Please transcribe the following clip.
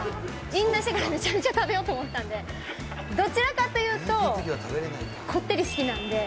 引退してからめちゃめちゃ食べようと思ったんで、どちらかというと、こってり好きなんで。